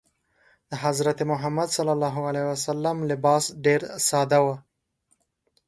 د حضرت محمد ﷺ لباس ډېر ساده و.